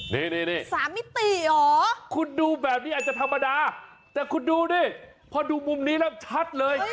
นี่๓มิติเหรอคุณดูแบบนี้อาจจะธรรมดาแต่คุณดูดิพอดูมุมนี้แล้วชัดเลย